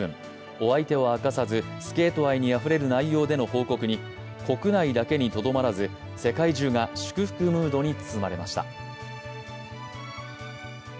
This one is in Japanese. お相手は明かさず、スケート愛にあふれる内容での報告に国内だけにとどまらず世界中が祝福ムードに包まれました。